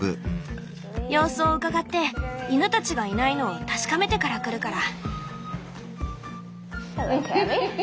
様子をうかがって犬たちがいないのを確かめてから来るから。